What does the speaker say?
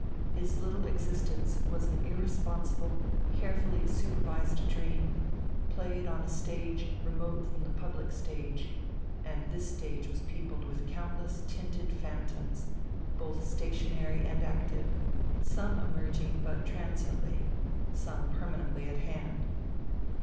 His little existence was an irresponsible, carefully supervised dream, played on a stage remote from the public stage; and this stage was peopled with countless tinted phantoms, both stationary and active, some emerging but transiently, some permanently at hand.